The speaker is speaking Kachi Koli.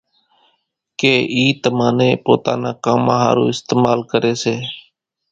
ڪي اِي تمان نين پوتا نان ڪامان ۿارُو استعمال ڪري۔